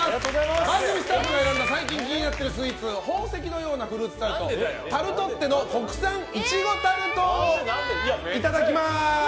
番組スタッフが選んだ最近気になってるスイーツ宝石のようなフルーツタルトｔａｒｔｏｔｔｅの国産いちごタルトをいただきます！